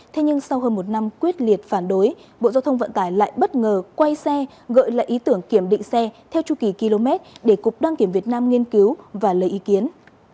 thế nhưng sau hơn một năm quyết liệt phản đối bộ giao thông vận tải lại bất ngờ quay xe gợi lại ý tưởng kiểm định xe theo chu kỳ km để cục đăng kiểm việt nam nghiên cứu và lấy ý kiến